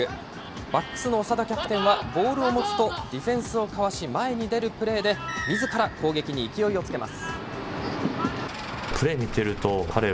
バックスの長田キャプテンは、ボールを持つとディフェンスをかわし前に出るプレーで、みずから攻撃に勢いをつけます。